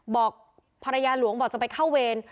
บอกภรรยาหลวงบอกจะไปเข้าเวร